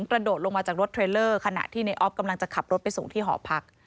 กระโดดลงมาจากรถเทรลเลอร์ขณะที่ในออฟกำลังจะขับรถไปส่งที่หอพัก